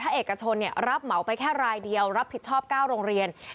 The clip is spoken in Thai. เอกชนรับเหมาไปแค่รายเดียวรับผิดชอบ๙โรงเรียน